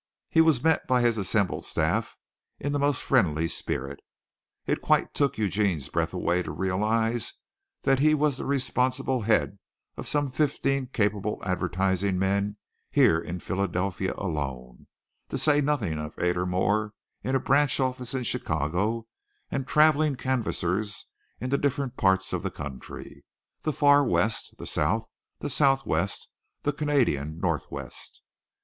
He was met by his assembled staff in the most friendly spirit. It quite took Eugene's breath away to realize that he was the responsible head of some fifteen capable advertising men here in Philadelphia alone, to say nothing of eight more in a branch office in Chicago and traveling canvassers in the different parts of the country the far West, the South, the Southwest, the Canadian Northwest.